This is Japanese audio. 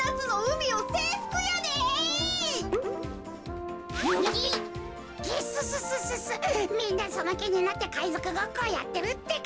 みんなそのきになってかいぞくごっこをやってるってか！